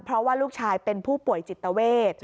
เพราะว่าลูกชายเป็นผู้ป่วยจิตเวท